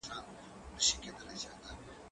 زه کولای سم ږغ واورم،